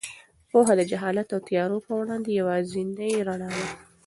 پوهه د جهالت او تیارو په وړاندې یوازینۍ رڼا ده.